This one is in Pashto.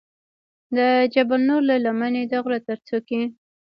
د جبل نور له لمنې د غره تر څوکې.